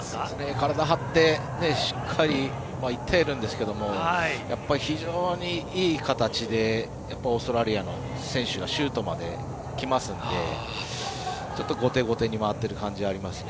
体を張ってしっかり行ってはいるんですが非常にいい形でオーストラリアの選手がシュートまで来ますので後手後手に回っている感じはありますね。